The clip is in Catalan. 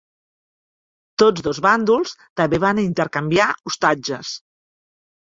Tots dos bàndols també van intercanviar ostatges.